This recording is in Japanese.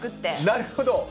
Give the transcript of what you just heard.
なるほど。